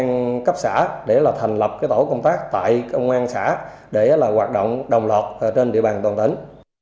công an cấp xã để là thành lập tổ công tác tại công an xã để hoạt động đồng lọt trên địa bàn toàn tỉnh